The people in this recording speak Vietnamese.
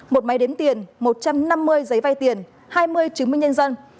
một máy đếm tiền một trăm năm mươi giấy vay tiền hai mươi chứng minh nhân dân